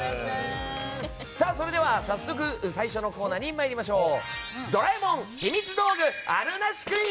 それでは早速最初のコーナーに参りましょう。